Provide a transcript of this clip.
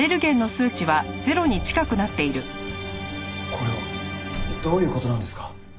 これはどういう事なんですか？